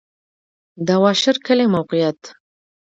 د واشر کلی موقعیت